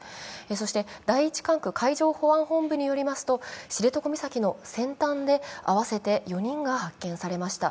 そして第１管区海上保安本部によりますと、知床岬の先端で合わせて４人が発見されました。